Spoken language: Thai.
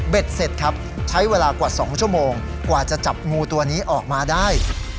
เสร็จครับใช้เวลากว่า๒ชั่วโมงกว่าจะจับงูตัวนี้ออกมาได้